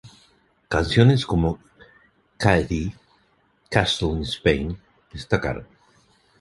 Canciones como "Kyrie", "Castles In Spain" destacaron.